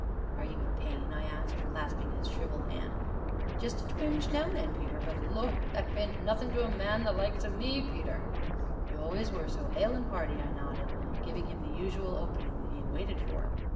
"Are you in pain?" I asked, clasping his shrivelled hand. "Jest a twinge, now an' then, Peter but Lord! that bean't nothin' to a man the likes o' me Peter " "You always were so hale and hearty," I nodded, giving him the usual opening he had waited for.